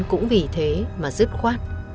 cũng vì thế mà dứt khoát